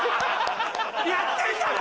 やってんだろ！